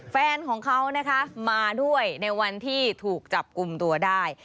แฟนของเขานะคะมาด้วยในวันที่ถูกจับกลุ่มตัวได้